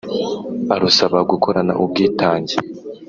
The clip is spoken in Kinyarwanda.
arusaba gukorana ubwitange